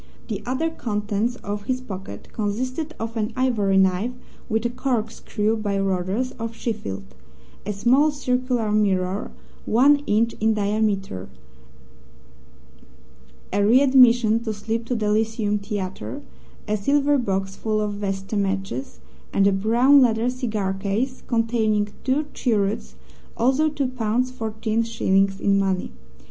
The other contents of his pocket consisted of an ivory knife with a corkscrew by Rodgers, of Sheffield; a small, circular mirror, one inch in diameter; a readmission slip to the Lyceum Theatre; a silver box full of vesta matches, and a brown leather cigar case containing two cheroots also two pounds fourteen shillings in money.